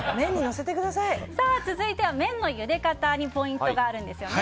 続いては麺のゆで方にポイントがあるんですよね。